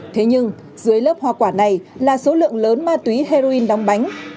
thế nhưng dưới lớp hoa quả này là số lượng lớn ma túy heroin đóng bánh